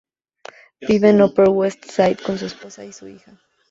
Vive en el Upper West Side con su esposa y su hija.